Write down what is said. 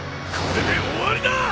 これで終わりだ！